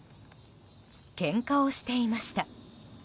けんかをしていました。